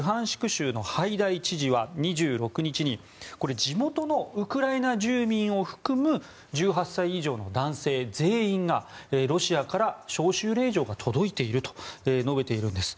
州のハイダイ知事は２６日に地元のウクライナ住人を含む１８歳以上の男性全員がロシアから招集令状が届いていると述べているんです。